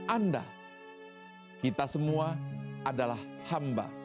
anda kita semua adalah hamba